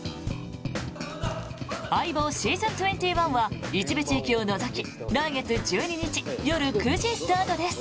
「相棒ｓｅａｓｏｎ２１」は一部地域を除き来月１２日夜９時スタートです。